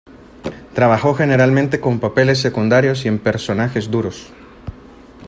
Trabajó generalmente con papeles secundarios y en personajes duros.